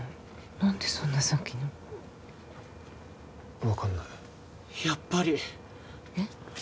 何でそんな先の分かんないやっぱりえっ？